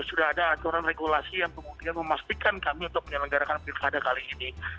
sudah ada aturan regulasi yang kemudian memastikan kami untuk menyelenggarakan pilkada kali ini